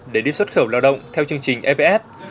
để đi xuất khẩu lao động theo chương trình eps